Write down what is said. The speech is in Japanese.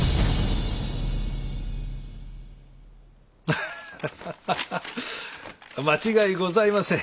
アハハハハ間違いございません。